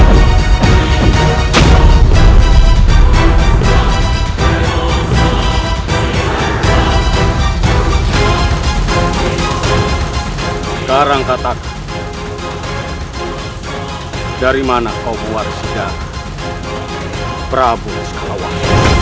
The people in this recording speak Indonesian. sekarang katakan dari mana kau buat sejarah prabowo skawang